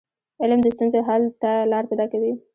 علم د ستونزو حل ته لار پيداکوي.